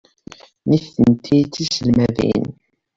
Nitenti d tiselmadin.